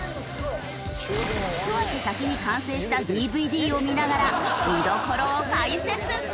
ひと足先に完成したＤＶＤを見ながら見どころを解説！